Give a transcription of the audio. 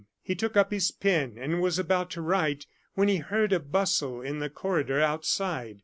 He took up his pen, and was about to write, when he heard a bustle in the corridor outside.